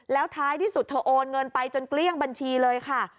แล้วท้ายที่สุดเธอโอนเงินไปจนเกลี้ยงบัญชีเลยค่ะ